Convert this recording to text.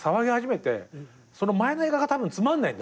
その前の映画がたぶんつまんないんだね。